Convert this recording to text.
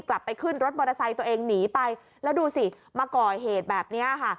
กลับไปขึ้นรถมอเตอร์ไซค์ตัวเองหนีไปแล้วดูสิมาก่อเหตุแบบนี้ค่ะ